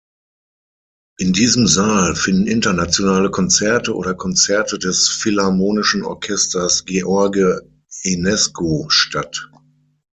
In diesem Saal finden internationale Konzerte oder Konzerte des philharmonischen Orchesters George Enescu statt.